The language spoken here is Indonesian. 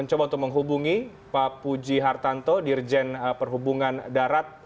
coba untuk menghubungi pak puji hartanto dirjen perhubungan darat